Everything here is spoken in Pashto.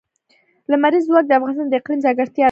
لمریز ځواک د افغانستان د اقلیم ځانګړتیا ده.